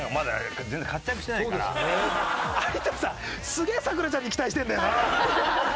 すげえ咲楽ちゃんに期待してるんだよな。